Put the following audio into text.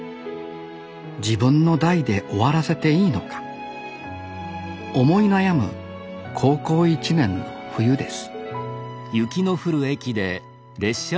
自分の代で終わらせていいのか思い悩む高校１年の冬です